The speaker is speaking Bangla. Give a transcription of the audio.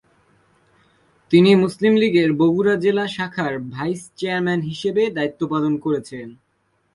তিনি মুসলিম লীগের বগুড়া জেলা শাখার ভাইস চেয়ারম্যান হিসাবে দায়িত্ব পালন করেছেন।